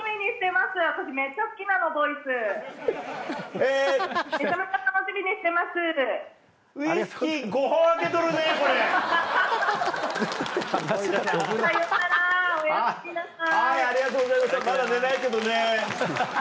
まだ寝ないけどね。